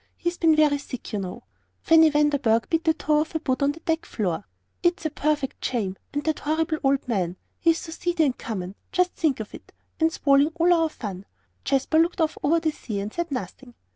He's been very sick, you know." Fanny Vanderburgh beat the toe of her boot on the deck floor. "It's a perfect shame. And that horrible old man, he's so seedy and common just think of it and spoiling all our fun!" Jasper looked off over the sea, and said nothing.